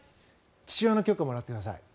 父親の許可をもらってください。